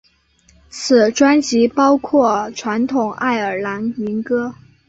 此专辑包括传统爱尔兰民歌。